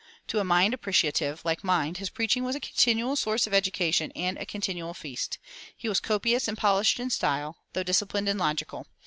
To a mind appreciative, like mine, his preaching was a continual course of education and a continual feast. He was copious and polished in style, though disciplined and logical.